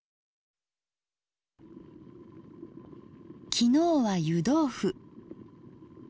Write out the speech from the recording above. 昨日は湯豆腐。